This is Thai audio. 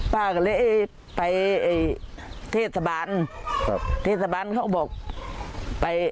ป้าก็เลยไปเทศบาลเทศบาลเขาบอกไป